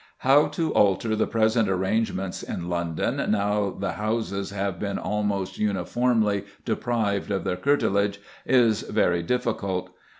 How to alter the present arrangements in London now the houses have been almost uniformly deprived of their curtilage is very difficult.